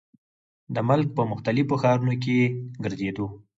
د ملک پۀ مختلفو ښارونو کښې ګرزيدو ۔